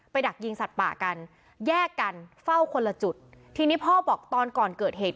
ดักยิงสัตว์ป่ากันแยกกันเฝ้าคนละจุดทีนี้พ่อบอกตอนก่อนเกิดเหตุ